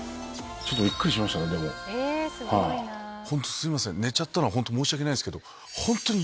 すいません寝ちゃったのは申し訳ないんですけど。